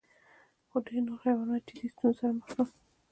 خو ډېر نور حیوانات جدي ستونزو سره مخ شول.